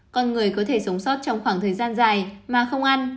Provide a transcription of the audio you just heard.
con người có thể sống sót trong khoảng thời gian dài mà không ăn